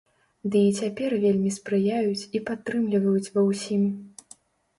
Ды і цяпер вельмі спрыяюць і падтрымліваюць ва ўсім.